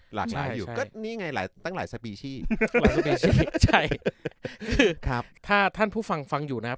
หลากหลายอยู่ก็นี่ไงหลายตั้งหลายสปีชีหลายครับถ้าท่านผู้ฟังฟังอยู่นะครับ